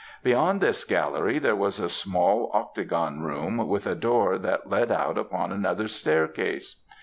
Beyond this gallery there was only a small octagon room, with a door that led out upon another staircase.